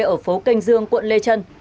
ở phố kênh dương quận lê chân